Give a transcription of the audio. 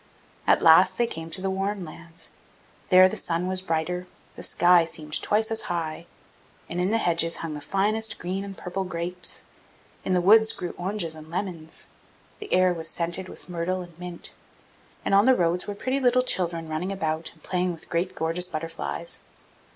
At last they came to warm lands; there the sun was brighter, the sky seemed twice as high, and in the hedges hung the finest green and purple grapes; in the woods grew oranges and lemons: the air was scented with myrtle and mint, and on the roads were pretty little children running about and playing with great gorgeous butterflies.